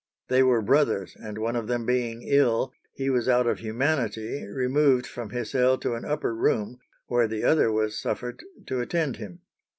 They were brothers, and one of them being ill, he was out of humanity removed from his cell to an upper room, where the other was suffered to attend him.